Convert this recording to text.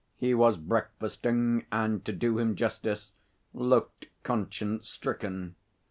He was breakfasting, and, to do him justice, looked conscience stricken.